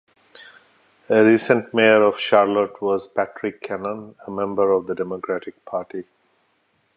A recent mayor of Charlotte was Patrick Cannon, a member of the Democratic Party.